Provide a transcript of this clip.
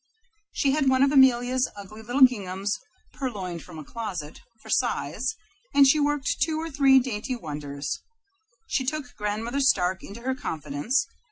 She had one of Amelia's ugly little ginghams, purloined from a closet, for size, and she worked two or three dainty wonders. She took Grandmother Stark into her confidence.